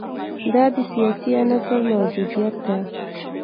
دا د سیاسي عنصر موجودیت ده.